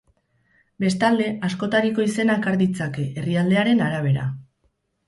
Bestalde, askotariko izenak har ditzake herrialdearen arabera.